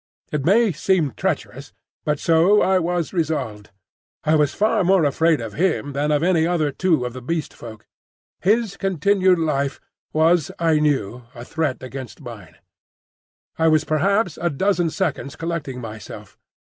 It may seem treacherous, but so I was resolved. I was far more afraid of him than of any other two of the Beast Folk. His continued life was I knew a threat against mine. I was perhaps a dozen seconds collecting myself.